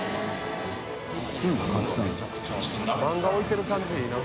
漫画置いてる感じいいな。